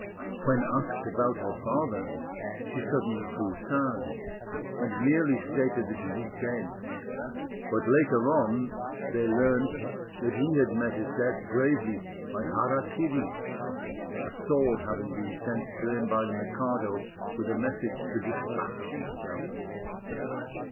When asked about her father, she grew suddenly sad, and merely stated that he was dead; but later on they learnt that he had met his death bravely by "Hara kiri," a sword having been sent to him by the Mikado with a message to despatch himself.